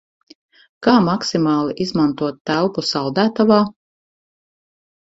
Kā maksimāli izmantot telpu saldētavā?